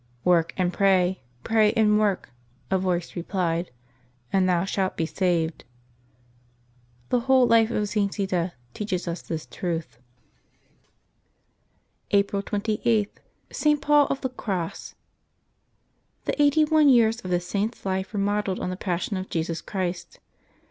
" Work and pray, pray and v:9rk," a voice replied, "and thou shalt be saved.'' The whole life of St Zita teaches us this truth. 160 LIVES OF TEE SAINTS [Apeil 28 April 28.— ST. PAUL OF THE CROSS. ^nHE eighty one years of this Saint's life were modelled V / on the Passion of Jesus Christ.